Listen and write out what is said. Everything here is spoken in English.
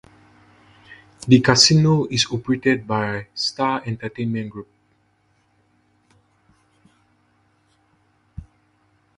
The casino is operated by Star Entertainment Group.